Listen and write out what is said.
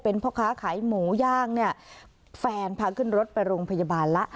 พ่อค้าขายหมูย่างเนี่ยแฟนพาขึ้นรถไปโรงพยาบาลละ